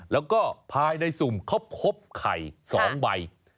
แล้วก็ภายในสุ่มเขาพบไข่๒ใบ